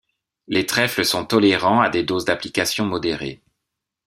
Les trèfles sont tolérants à des doses d'application modérées.